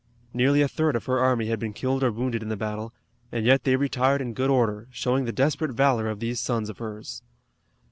Nearly a third of her army had been killed or wounded in the battle, and yet they retired in good order, showing the desperate valor of these sons of hers.